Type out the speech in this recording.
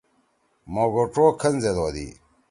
موگوڇو کھن زید ہودی۔